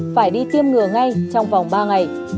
phải đi tiêm ngừa ngay trong vòng ba ngày